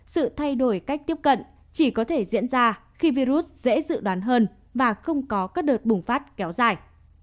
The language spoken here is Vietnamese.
sự thay đổi cách tiếp cận chỉ có thể diễn ra khi virus dễ dự đoán hơn và không có các đợt bùng phát kéo dài